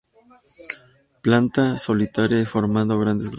Planta solitaria o formando grandes grupos.